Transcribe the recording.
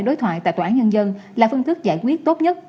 đối thoại tại tòa án nhân dân là phương thức giải quyết tốt nhất